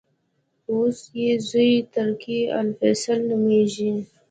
اوس یې زوې ترکي الفیصل نومېږي.